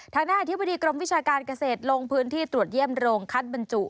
ทางด้านอธิบดีกรมวิชาการเกษตรลงพื้นที่ตรวจเยี่ยมโรงคัดบรรจุ